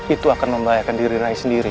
itu akan membahayakan diri rai sendiri